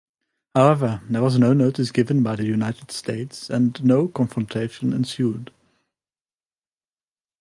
However, there was no notice given by the United States and no confrontation ensued.